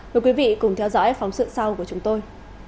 mời quý vị cùng theo dõi phóng sự sau của chúng tôi